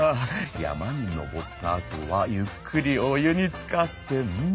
山に登ったあとはゆっくりお湯につかってうんうんうん。